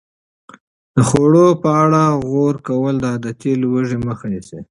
د خوړو په اړه غور کول د عادتي لوږې مخه نیسي.